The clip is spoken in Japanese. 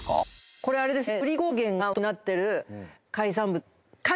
これあれですよね。